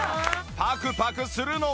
パクパクするのは